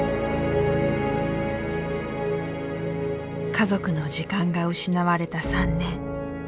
家族の時間が失われた３年。